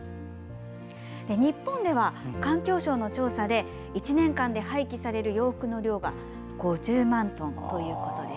日本では環境省の調査で１年間で廃棄される洋服の量が５０万トンだそうです。